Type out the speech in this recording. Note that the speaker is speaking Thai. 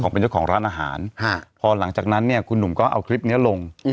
เป็นเจ้าของร้านอาหารพอหลังจากนั้นเนี่ยคุณหนุ่มก็เอาคลิปนี้ลง